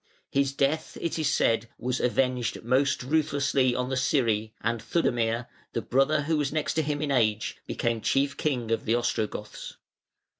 His death, it is said, was avenged most ruthlessly on the Scyri, and Theudemir, the brother who was next him in age, became chief king of the Ostrogoths.